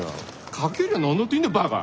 書けりゃ何だっていんだバカ！